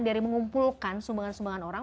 dari mengumpulkan sumbangan sumbangan orang